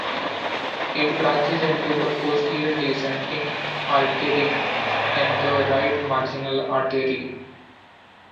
It branches into the posterior descending artery and the right marginal artery.